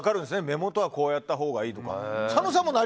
目元はこうやったほうがいいとか。